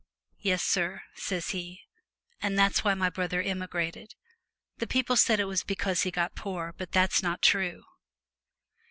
" Yes, sur," says he. And that's why my brother emigrated. The people said it was because he got poor, but that's not true.'